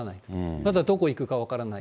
まだどこ行くか分からない。